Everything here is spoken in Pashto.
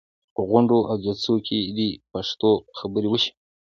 په غونډو او جلسو کې دې پښتو خبرې وشي.